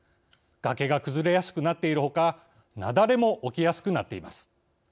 崖が崩れやすくなっているほか雪崩も起きやすくなっています。